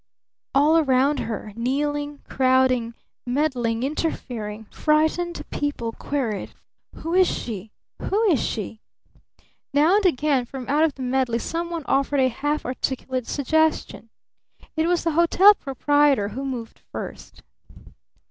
All around her kneeling, crowding, meddling, interfering frightened people queried: "Who is she? Who is she?" Now and again from out of the medley some one offered a half articulate suggestion. It was the hotel proprietor who moved first.